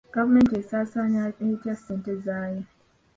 Gavumenti esaasaanya etya ssente zaayo?